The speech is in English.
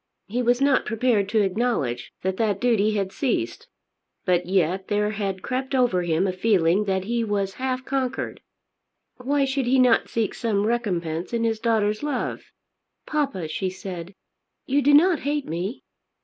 He was not prepared to acknowledge that that duty had ceased; but yet there had crept over him a feeling that as he was half conquered, why should he not seek some recompense in his daughter's love? "Papa," she said, "you do not hate me?"